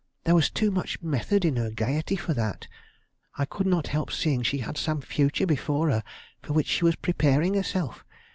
There was too much method in her gayety for that. I could not help seeing she had some future before her for which she was preparing herself.